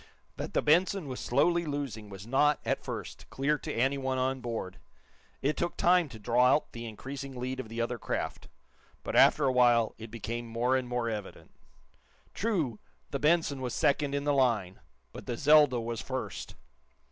That the "Benson" was slowly losing was not, at first, clear to anyone on board. It took time to draw out the increasing lead of the other craft, but, after a while, it became more and more evident. True, the "Benson" was second in the line but the "Zelda" was first.